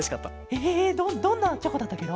ええどどんなチョコだったケロ？